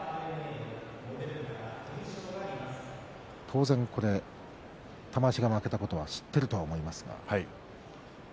当然、玉鷲が負けたことは知っていると思いますね。